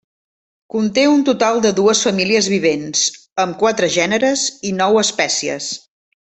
Conté un total de dues famílies vivents, amb quatre gèneres i nou espècies.